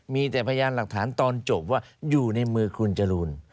มีแต่พยานหลักฐานตอนจบว่าอยู่ในมือคุณจรูน